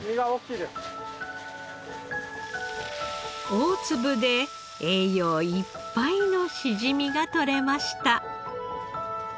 大粒で栄養いっぱいのしじみが取れました。